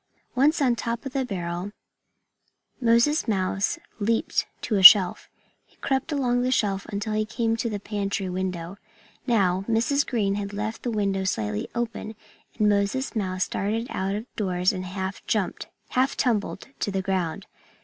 Once on top of the barrel, Moses Mouse leaped to a shelf. He crept along the shelf until he came to the pantry window. Now, Mrs. Green had left the window slightly open. And Moses Mouse darted out of doors and half jumped, half tumbled, to the ground.